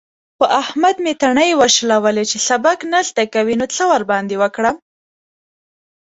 په احمد مې تڼۍ وشلولې. چې سبق نه زده کوي؛ نو څه ورباندې وکړم؟!